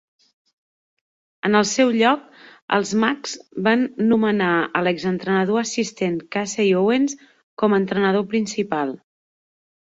En el seu lloc, els mags van nomenar a l'ex-entrenador assistent Casey Owens com a entrenador principal.